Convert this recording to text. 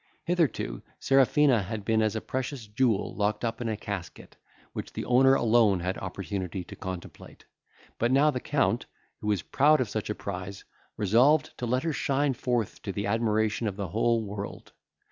Hitherto Serafina had been as a precious jewel locked up in a casket, which the owner alone had an opportunity to contemplate. But now the Count, who was proud of such a prize, resolved to let her shine forth to the admiration of the whole world.